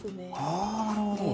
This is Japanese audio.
あなるほど！